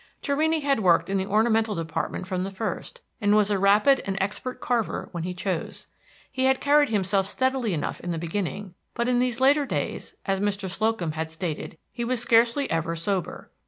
Torrini had worked in the ornamental department from the first, and was a rapid and expert carver when he chose. He had carried himself steadily enough in the beginning, but in these later days, as Mr. Slocum had stated, he was scarcely ever sober.